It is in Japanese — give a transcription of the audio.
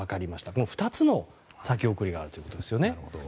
この２つの先送りがあるということですよね。